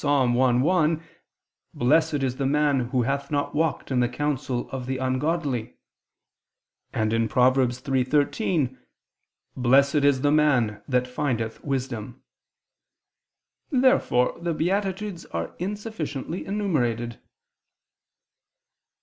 i, 1): "Blessed is the man who hath not walked in the counsel of the ungodly"; and (Prov. 3:13): "Blessed is the man that findeth wisdom." Therefore the beatitudes are insufficiently enumerated.